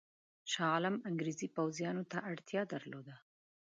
شاه عالم انګرېزي پوځیانو ته اړتیا درلوده.